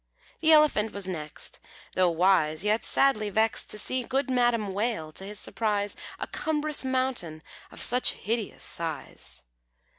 The Elephant was next. Though wise, yet sadly vexed To see good Madam Whale, to his surprise, A cumbrous mountain of such hideous size.